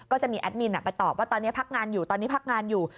ก็จะมีแอดมินไปตอบว่าตอนนี้พักงานอยู่ตอนนี้พักงานอยู่